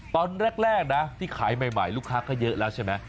ตอนแรกนะที่ขายใหม่ลูกค้าก็เยอะแล้วใช่ไหม